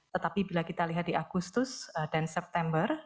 tetapi bila kita lihat di agustus dan september